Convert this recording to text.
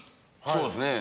そうですね。